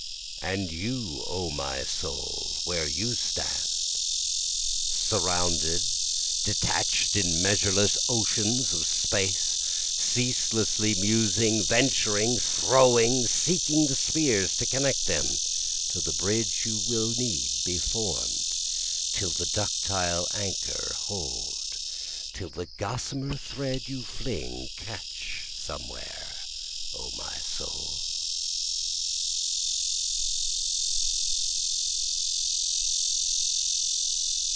And you O my soul where you stand, Surrounded, detached, in measureless oceans of space, Ceaselessly musing, venturing, throwing, seeking the spheres to connect them, Till the bridge you will need be form'd, till the ductile anchor hold, Till the gossamer thread you fling catch somewhere, O my soul.